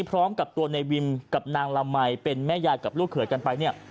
พร้อมกับตัวในวิมกับนางละมัยเป็นแม่ยายกับลูกเขยกันไปเนี่ย